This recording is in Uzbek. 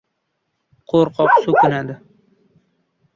• Qo‘rqoq so‘kinadi.